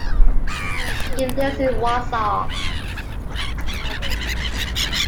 He lives in Warsaw.